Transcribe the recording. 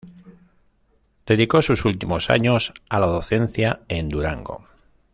Dedicó sus últimos años a la docencia en Durango.